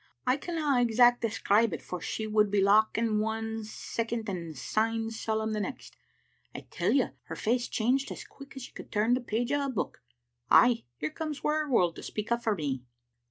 I canna exact describe it, for she would be lauchin' one second and syne solemn the next. I tell you her face changed as quick as you could turn the pages o' a book. Ay, here comes Wearywarld to speak up for me."